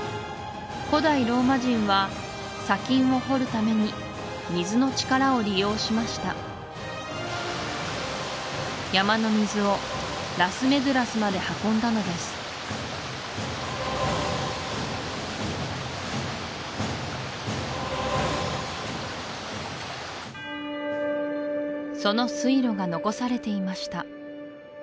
古代ローマ人は砂金を掘るために水の力を利用しました山の水をラス・メドゥラスまで運んだのですその水路が残されていました